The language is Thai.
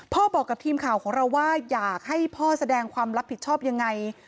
บอกกับทีมข่าวของเราว่าอยากให้พ่อแสดงความรับผิดชอบยังไง